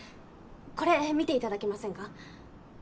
これ見ていただけませんか？